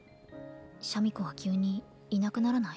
シャミ子は急にいなくならない？